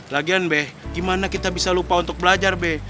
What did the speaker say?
lagian beh gimana kita bisa lupa untuk belajar be